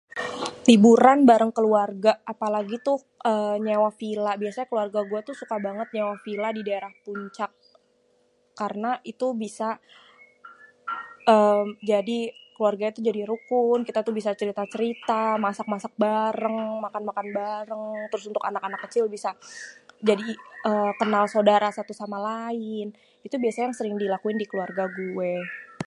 Liburan bareng keluarga apalagi tuh nyewa vila biasanya tuh keluarga gue suka banget sama vila di daerah Puncak. Karna itu bisa uhm jadi keluarga tuh jadi rukun kita tuh bisa cerita-cerita, masak-masak bareng, makan-makan bareng, trus untuk anak-anak kecil bisa jadi kenal sodara satu sama lain itu biasanya yang sering dilakuin di keluarga gué.